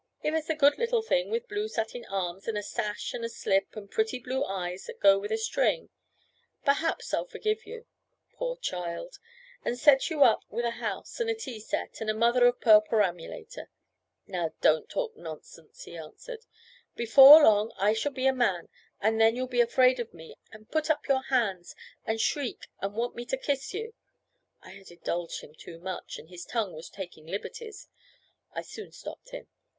If it's a good little thing with blue satin arms, and a sash and a slip, and pretty blue eyes that go with a string, perhaps I'll forgive you, poor child, and set you up with a house, and a tea set, and a mother of pearl perambulator." "Now, don't talk nonsense," he answered. "Before long I shall be a man, and then you'll be afraid of me, and put up your hands, and shriek, and want me to kiss you." I had indulged him too much, and his tongue was taking liberties. I soon stopped him.